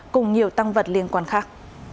cùng nhiều tăng vật liên quan khác